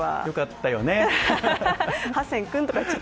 よかったよね。